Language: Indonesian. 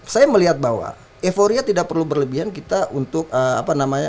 saya melihat bahwa euforia tidak perlu berlebihan kita untuk apa namanya